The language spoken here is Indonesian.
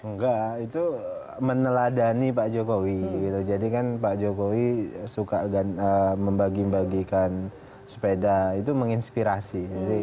enggak itu meneladani pak jokowi jadi kan pak jokowi suka membagi bagikan sepeda itu menginspirasi